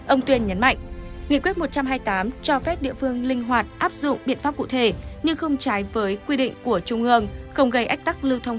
ông tuyên nhấn mạnh nghị quyết một trăm hai mươi tám cho phép địa phương linh hoạt áp dụng biện pháp cụ thể nhưng không trái với quy định của trung ương